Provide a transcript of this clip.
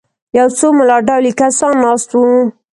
یو څو ملا ډولي کسان ناست وو.